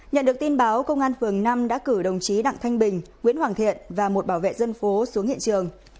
nhận được tin báo công an phường năm đã cử đồng chí đặng thanh bình nguyễn hoàng thiện và một bảo vệ dân phố xuống hiện trường